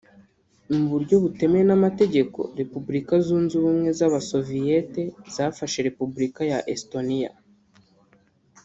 Mu buryo butemewe n’Amategeko Repubulika Zunze ubumwe Z’abasoviyete zafashe Repubulika ya Estonia